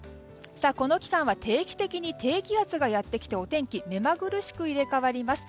この期間は定期的に低気圧がやってきてお天気が目まぐるしく入れ替わります。